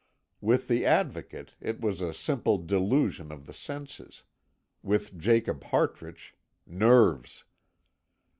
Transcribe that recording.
With the Advocate it was a simple delusion of the senses; with Jacob Hartrich, "nerves."